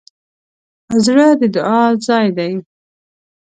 زړه د دعا ځای دی.